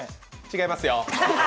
違いますよ。